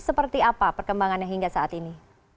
seperti apa perkembangannya hingga saat ini